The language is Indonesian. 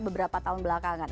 beberapa tahun belakangan